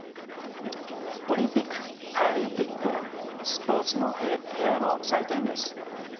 オリンピック・パラリンピックはスポーツと平和の祭典です。